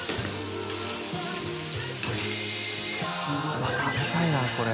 うわぁ食べたいなこれ。